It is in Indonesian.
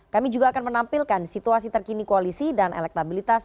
kami juga akan menampilkan situasi terkini koalisi dan elektabilitas